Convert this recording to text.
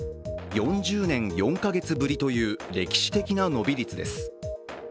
４０年４か月ぶりという歴史的な伸び率です。